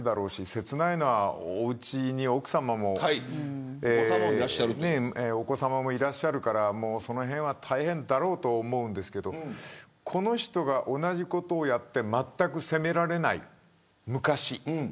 切ないのは、おうちに奥さまもお子さまもいらっしゃるからそのへんは大変だろうと思うんですがこの人が同じことをやってまったく責められない、昔。